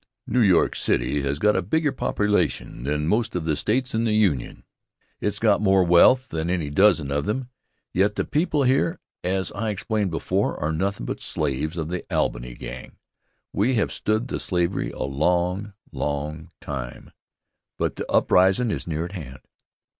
New York City has got a bigger population than most of the states in the Union. It's got more wealth than any dozen of them. Yet the people here, as I explained before, are nothin' but slaves of the Albany gang. We have stood the slavery a long, long time, but the uprisin' is near at hand.